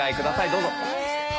どうぞ。